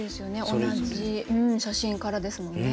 同じ写真からですもんね。